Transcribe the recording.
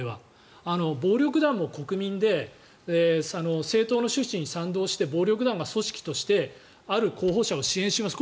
暴力団も国民で政党の趣旨に賛同して暴力団が組織としてある候補者を支援します